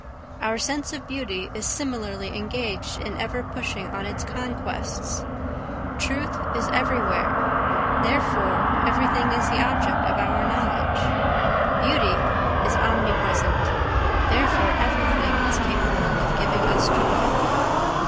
Our sense of beauty is similarly engaged in ever pushing on its conquests. Truth is everywhere, therefore everything is the object of our knowledge. Beauty is omnipresent, therefore everything is capable of giving us joy.